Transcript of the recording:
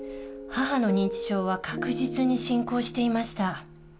母の認知症は確実に進行していました。